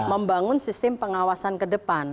membangun sistem pengawasan kedepan